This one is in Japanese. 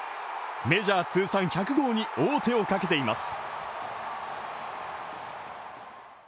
メジャー通算１００号に王手をかけています。